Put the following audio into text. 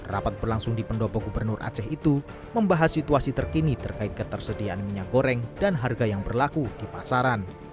rapat berlangsung di pendopo gubernur aceh itu membahas situasi terkini terkait ketersediaan minyak goreng dan harga yang berlaku di pasaran